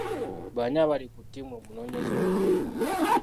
Baani abali ku tiimu emunoonyeza obululu?